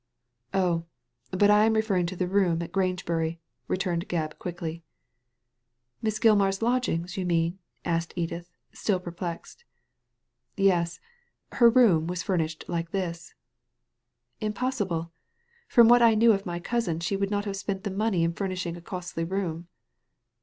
'* ''Oh, but I am referring to the room at Graoge bmy," returned Gebb, quickly. *" Miss Gilmar's lodgings, yon mean ?" asked Edith, still perplexed. ''Yes. Her room was furnished like this." "Impossible. From what I knew of my cousin she would not have spent the money in furnishing a costly room.